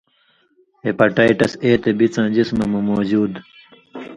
ہیپاٹائٹس اے تے ای بڅاں جسمہ مہ موجُود